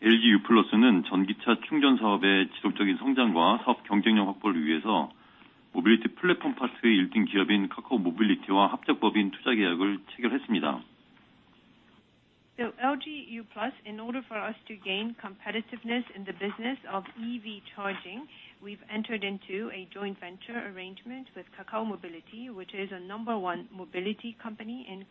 B: LG Uplus, in order for us to gain competitiveness in the business of EV charging, we've entered into a joint venture arrangement with Kakao Mobility, which is a number one mobility company in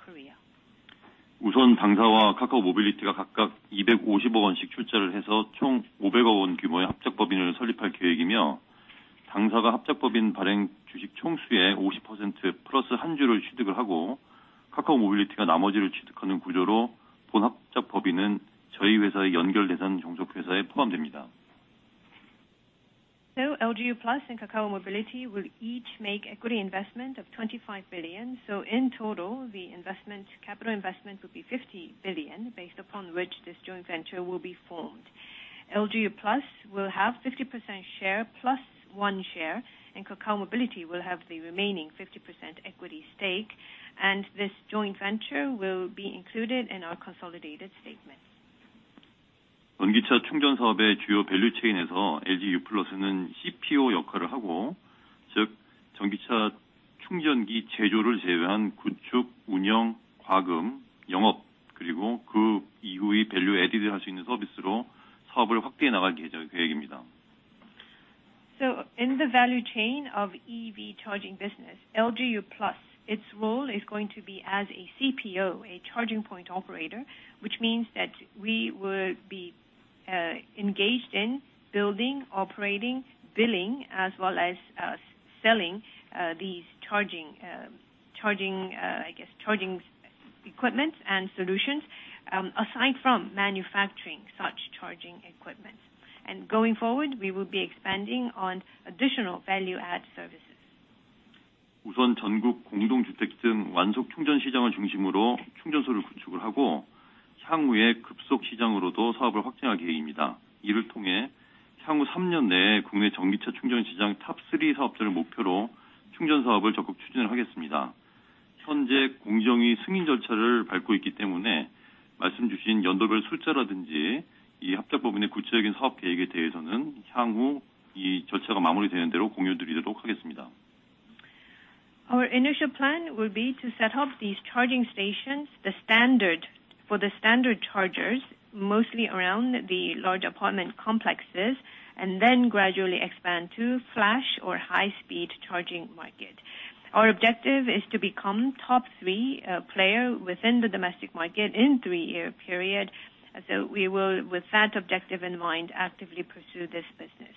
B: Korea. LG Uplus and Kakao Mobility will each make equity investment of $25 billion. In total, the investment, capital investment will be $50 billion, based upon which this joint venture will be formed. LG Uplus will have 50% share, plus one share, and Kakao Mobility will have the remaining 50% equity stake, and this joint venture will be included in our consolidated statement.... Electric car charging business, major value chain in LG Uplus is CPO, that is, excluding electric vehicle charging station manufacturing, construction, operation, billing, sales, and subsequent value added services. We plan to expand our business. In the value chain of EV charging business, LG Uplus, its role is going to be as a CPO, a charging point operator, which means that we will be engaged in building, operating, billing, as well as selling these charging I guess, charging equipment and solutions, aside from manufacturing such charging equipment. Going forward, we will be expanding on additional value add services. Our initial plan will be to set up these charging stations, the standard, for the standard chargers, mostly around the large apartment complexes, and then gradually expand to flash or high speed charging market. Our objective is to become top three player within the domestic market in three-year period. We will, with that objective in mind, actively pursue this business.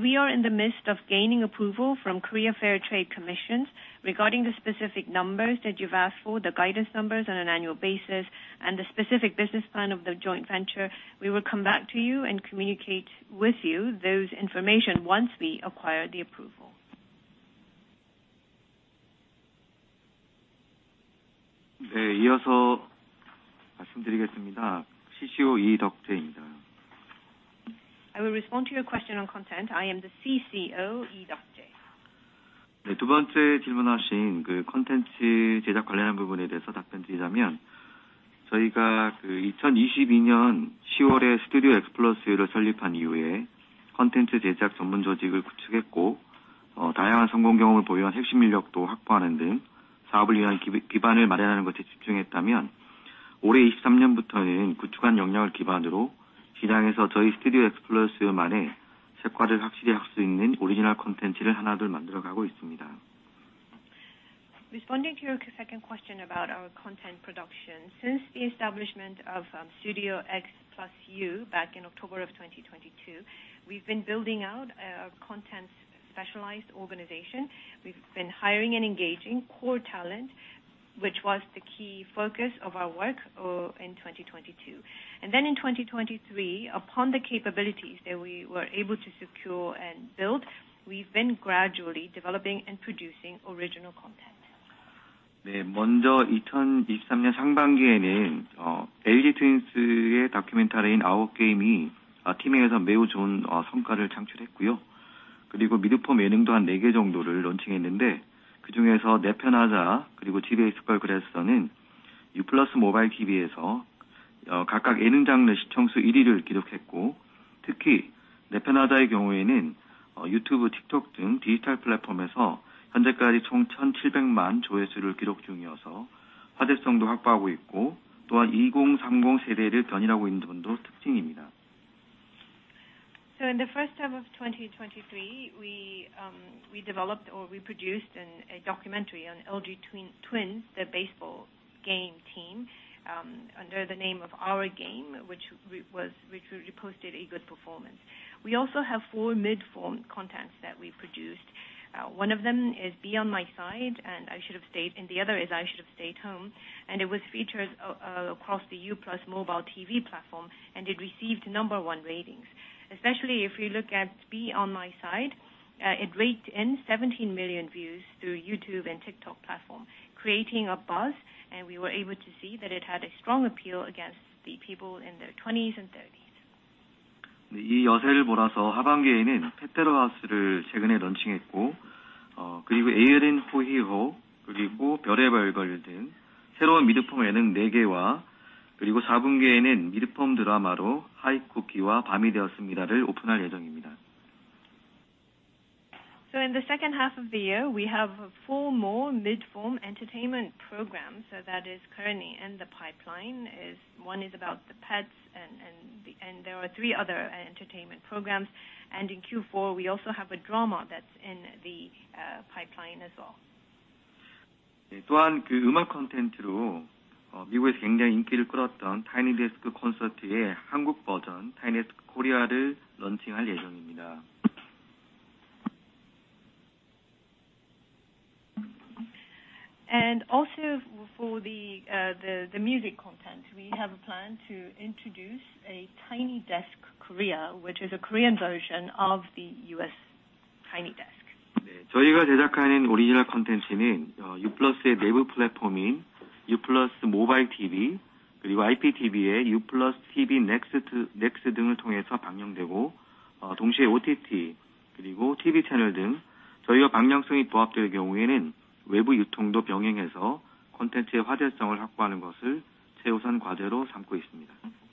B: We are in the midst of gaining approval from Korea Fair Trade Commissions, regarding the specific numbers that you've asked for, the guidance numbers on an annual basis and the specific business plan of the joint venture, we will come back to you and communicate with you those information once we acquire the approval. I will respond to your question on content. I am the CCO, Lee Deok-jae. Responding to your second question about our content production. Since the establishment of Studio X Plus U back in October of 2022, we've been building out our content specialized organization. We've been hiring and engaging core talent, which was the key focus of our work in 2022. In 2023, upon the capabilities that we were able to secure and build, we've been gradually developing and producing original content. In the first half of 2023, we developed or we produced a documentary on LG Twin Twins, the baseball game team, under the name of Our Game, which really posted a good performance. We also have four mid-form contents that we produced. One of them is Be On My Side, and I should have stayed, and the other is I Should Have Stayed Home, and it was featured across the U+ mobile TV platform, and it received number one ratings. Especially if you look at Be On My Side, it raked in 17 million views through YouTube and TikTok platform, creating a buzz, and we were able to see that it had a strong appeal against the people in their 20s and 30s. In the second half of the year, we have 4 more mid-form entertainment programs, so that is currently in the pipeline, is one is about the pets and there are 3 other entertainment programs. In Q4, we also have a drama that's in the pipeline as well. For the music content, we have a plan to introduce a Tiny Desk Korea, which is a Korean version of the U.S. Tiny Desk.
G: 저희와 방향성이 부합될 경우에는 외부 유통도 병행해서 콘텐츠의 화제성을 확보하는 것을 최우선 과제로 삼고 있습니다.
B: The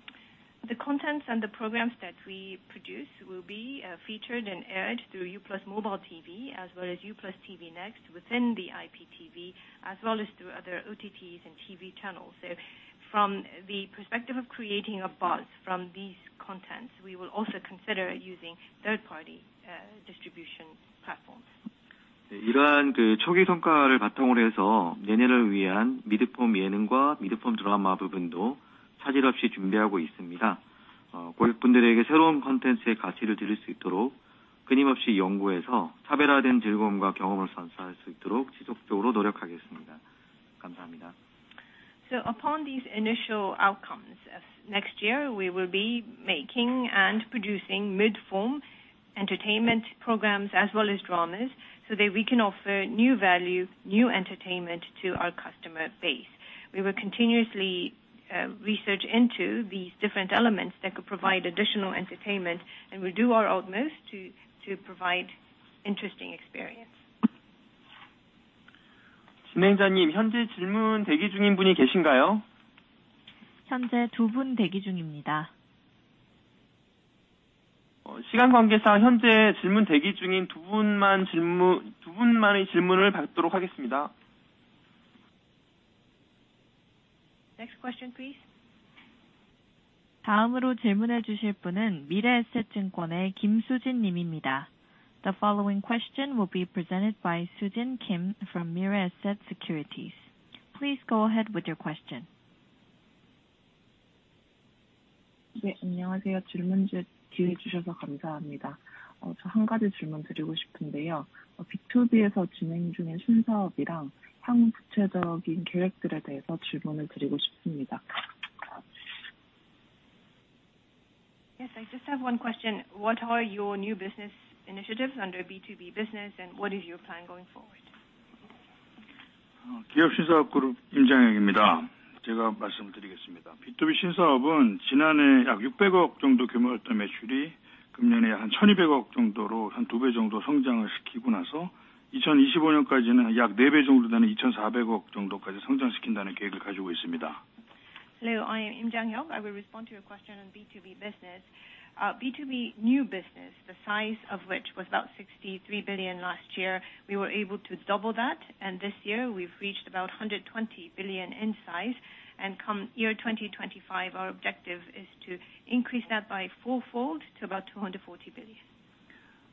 B: contents and the programs that we produce will be featured and aired through U+ Mobile TV, as well as U+ TV Next within the IPTV, as well as through other OTTs and TV channels. From the perspective of creating a buzz from these contents, we will also consider using third party distribution platforms.
G: 이러한 그 초기 성과를 바탕으로 해서 내년을 위한 미드폼 예능과 미드폼 드라마 부분도 차질 없이 준비하고 있습니다. 고객분들에게 새로운 콘텐츠의 가치를 드릴 수 있도록 끊임없이 연구해서 차별화된 즐거움과 경험을 선사할 수 있도록 지속적으로 노력하겠습니다. 감사합니다.
B: Upon these initial outcomes, as next year, we will be making and producing mid-form entertainment programs as well as dramas, so that we can offer new value, new entertainment to our customer base. We will continuously research into these different elements that could provide additional entertainment, and we'll do our utmost to provide interesting experience.
H: 진행자님, 현재 질문 대기 중인 분이 계신가요?
A: 현재 두분 대기 중입니다.
H: 시간 관계상 현재 질문 대기 중인 두 분만 질문, 두 분만의 질문을 받도록 하겠습니다.
B: Next question, please.
A: 다음으로 질문해 주실 분은 미래에셋증권의 김수진 님입니다. The following question will be presented by Sujin Kim from Mirae Asset Securities. Please go ahead with your question.
I: 네, 안녕하세요? 질문 주실 기회 주셔서 감사합니다. 저한 가지 질문드리고 싶은데요. B2B에서 진행 중인 신사업이랑 향후 구체적인 계획들에 대해서 질문을 드리고 싶습니다.
B: Yes, I just have one question. What are your new business initiatives under B2B business, and what is your plan going forward?
E: 기업 신사업 그룹 임장혁입니다. 제가 말씀드리겠습니다. B2B 신사업은 지난해 약 60 billion 정도 규모였던 매출이 금년에 한 120 billion 정도로 한두배 정도 성장을 시키고 나서, 2025년까지는 약네배 정도 되는 240 billion 정도까지 성장시킨다는 계획을 가지고 있습니다.
B: Hello, I am Im Jang-hyuk. I will respond to your question on B2B business. B2B new business, the size of which was about 63 billion last year, we were able to double that. This year we've reached about 120 billion in size. Come year 2025, our objective is to increase that by fourfold to about 240 billion.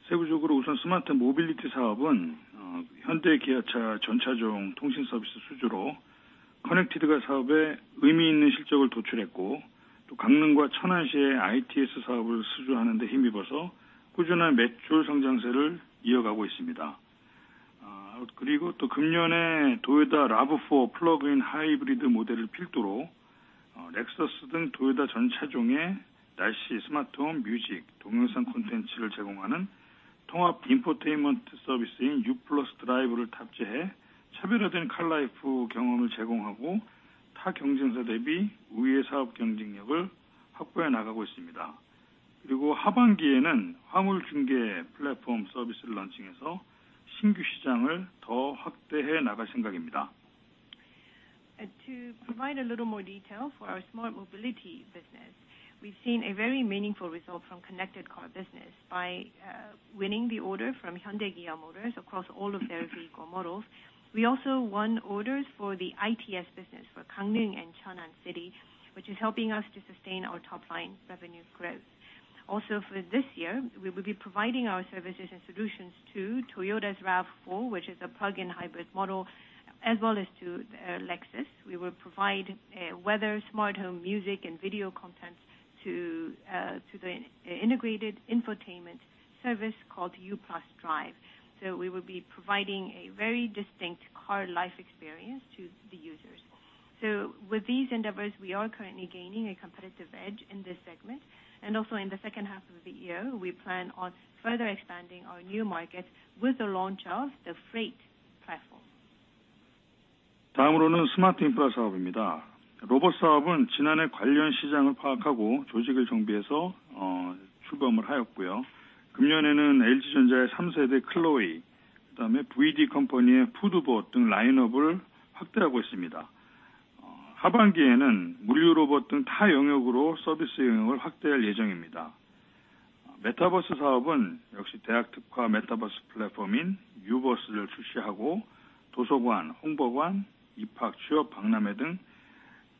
E: 세부적으로 우선 스마트 모빌리티 사업은, 현대, 기아차 전 차종 통신 서비스 수주로 커넥티드카 사업에 의미 있는 실적을 도출했고, 또 강릉과 천안시에 ITS 사업을 수주하는 데 힘입어서 꾸준한 매출 성장세를 이어가고 있습니다. 그리고 또 금년에 도요타 RAV4 플러그인 하이브리드 모델을 필두로, 렉서스 등 도요타 전 차종에 날씨, 스마트홈, 뮤직, 동영상 콘텐츠를 제공하는 통합 인포테인먼트 서비스인 U+ Drive를 탑재해 차별화된 카 라이프 경험을 제공하고, 타 경쟁사 대비 우위의 사업 경쟁력을 확보해 나가고 있습니다. 그리고 하반기에는 화물 중개 플랫폼 서비스를 런칭해서 신규 시장을 더 확대해 나갈 생각입니다.
B: To provide a little more detail for our smart mobility business, we've seen a very meaningful result from connected car business by winning the order from Hyundai-Kia Motors across all of their vehicle models. We also won orders for the ITS business for Gangneung and Cheonan City, which is helping us to sustain our top line revenue growth. Also, for this year, we will be providing our services and solutions to Toyota's RAV4, which is a plug-in hybrid model, as well as to Lexus. We will provide weather, smart home, music, and video content to the integrated infotainment service called U+ Drive. We will be providing a very distinct car life experience to the users. With these endeavors, we are currently gaining a competitive edge in this segment, and also in the second half of the year, we plan on further expanding our new markets with the launch of the freight platform.
E: 다음으로는 스마트 인프라 사업입니다. 로봇 사업은 지난해 관련 시장을 파악하고 조직을 정비해서 출범을 하였고요. 금년에는 LG전자의 3rd generation CLOi, 그다음에 VD Company의 Foodbot 등 라인업을 확대하고 있습니다. 하반기에는 물류 로봇 등타 영역으로 서비스 영역을 확대할 예정입니다. 메타버스 사업은 역시 대학 특화 메타버스 플랫폼인 Uverse를 출시하고, 도서관, 홍보관, 입학, 취업 박람회 등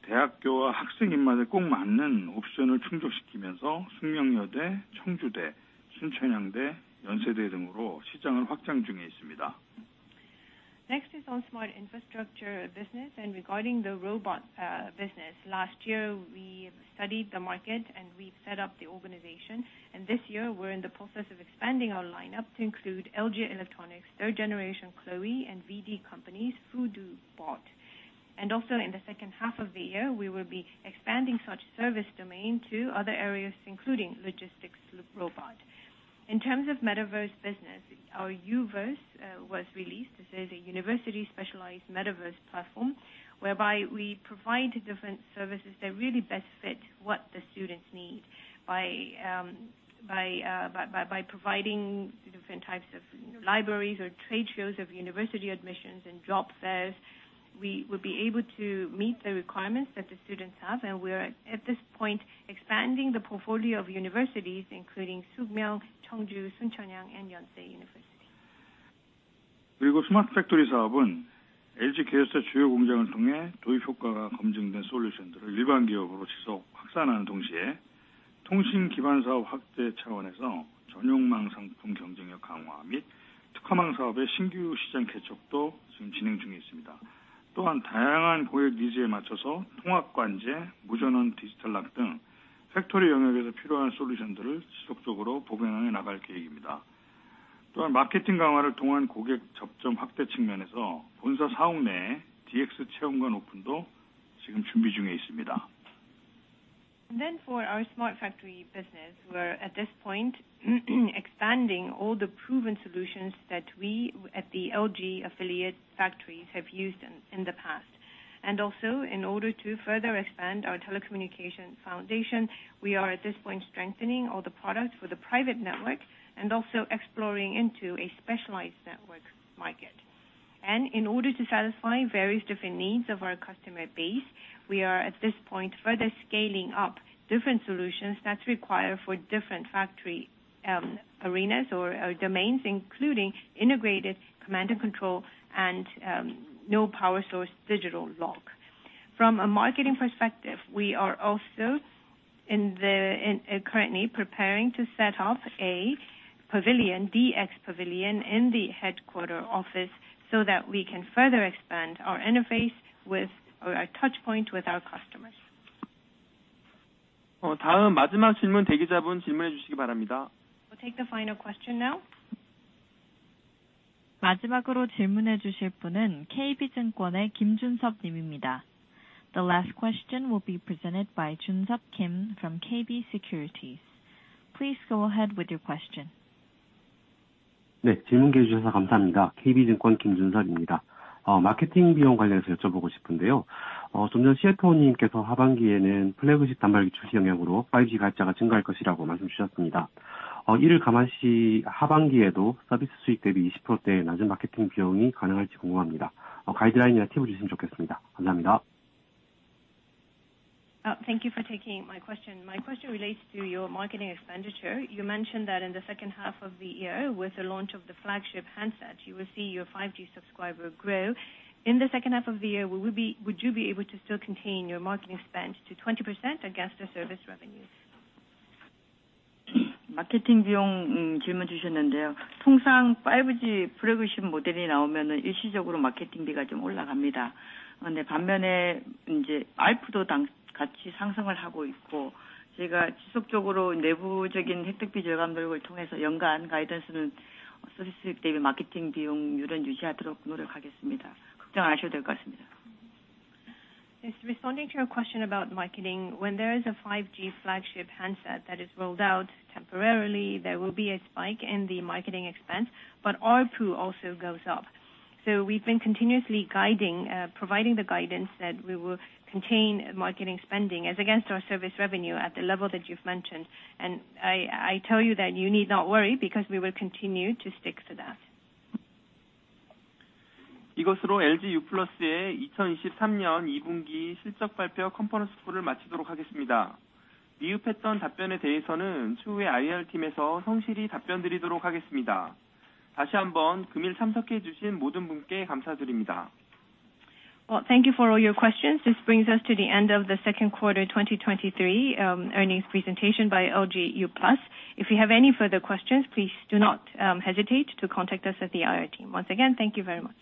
E: 대학교와 학생 입맛에 꼭 맞는 옵션을 충족시키면서 숙명여대, 청주대, 순천향대, 연세대 등으로 시장을 확장 중에 있습니다.
B: Next is on smart infrastructure business, regarding the robot business. Last year, we studied the market, and we set up the organization, and this year we're in the process of expanding our lineup to include LG Electronics, third generation, CLOi, and VD companies, Foodoo Bot. Also, in the second half of the year, we will be expanding such service domain to other areas, including logistics robot. In terms of Metaverse business, our Uverse was released. This is a university-specialized metaverse platform, whereby we provide different services that really best fit what the students need by providing different types of libraries or trade shows of university admissions and job fairs, we will be able to meet the requirements that the students have. We are at this point, expanding the portfolio of universities, including Sookmyung, Chungju, Soonchunhyang, and Yonsei University. For our smart factory business, we're at this point expanding all the proven solutions that we at the LG affiliate factories have used in the past. In order to further expand our telecommunication foundation, we are at this point strengthening all the products for the private network and also exploring into a specialized network market. In order to satisfy various different needs of our customer base, we are at this point, further scaling up different solutions that's required for different factory arenas or, or domains, including integrated command and control and no power source digital lock. From a marketing perspective, we are also currently preparing to set up a pavilion, DX pavilion, in the headquarter office so that we can further expand our interface with, or our touch point with our customers.
H: 다음 마지막 질문 대기자분 질문해 주시기 바랍니다.
B: We'll take the final question now.
A: The last question will be presented by Jun-seop Kim from KB Securities. Please go ahead with your question.
J: Thank you for taking my question. My question relates to your marketing expenditure. You mentioned that in the second half of the year, with the launch of the flagship handset, you will see your 5G subscriber grow. In the second half of the year, would you be able to still contain your marketing spend to 20% against the service revenues?
B: Thank you for taking my question. My question relates to your marketing expenditure. You mentioned that in the second half of the year, with the launch of the flagship handset, you will see your 5G subscriber grow. In the second half of the year, would you be able to still contain your marketing spend to 20% against the service revenues?
K: Marketing beyond.
A: Thank you for all your questions. This brings us to the end of the second quarter 2023 earnings presentation by LG Uplus. If you have any further questions, please do not hesitate to contact us at the IR team. Once again, thank you very much.